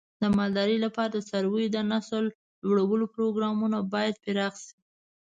د مالدارۍ لپاره د څارویو د نسل لوړولو پروګرامونه باید پراخ شي.